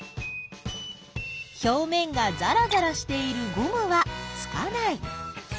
ひょうめんがざらざらしているゴムはつかない。